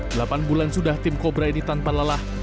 delapan bulan sudah tim kobra ini tanpa lelah